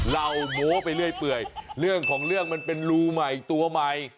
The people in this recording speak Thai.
โม้ไปเรื่อยเปื่อยเรื่องของเรื่องมันเป็นรูใหม่ตัวใหม่